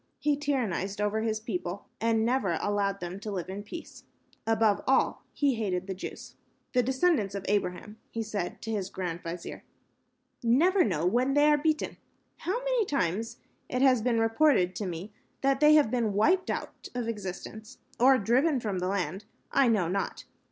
He tyrannized over his people and never allowed them to live in peace. Above all, he hated the Jews. "These descendants of Abraham," he said to his grand vizier, "never know when they are beaten. How many times it has been reported to me that they have been wiped out of existence, or driven from the land, I know not.